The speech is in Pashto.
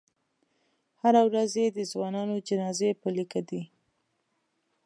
هره ورځ یې د ځوانانو جنازې په لیکه دي.